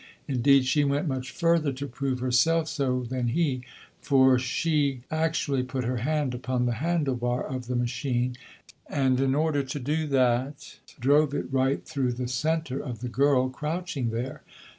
Indeed, she went much further to prove herself so than he, for she actually put her hand upon the handle bar of the machine, and in order to do that drove it right through the centre of the girl crouching there.